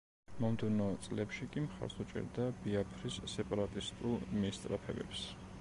მომდევნო წლებში კი მხარს უჭერდა ბიაფრის სეპარატისტულ მისწრაფებებს.